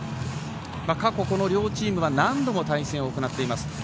過去、両チームは何度も対戦を行っています。